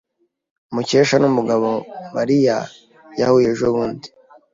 Mukesha numugabo Mariya yahuye ejobundi.